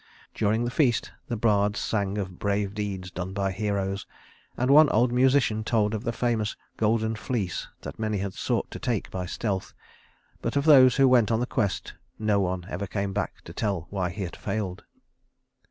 During the feast the bards sang of brave deeds done by heroes, and one old musician told of the famous golden fleece that many had sought to take by stealth; but of those who went on the quest, no one ever came back to tell why he had failed.